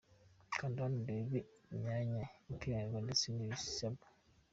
Kanda hano urebe imyanya ipiganirwa ndetse n’ibisabwa :.